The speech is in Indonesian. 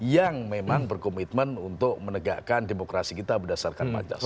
yang memang berkomitmen untuk menegakkan demokrasi kita berdasarkan pancasila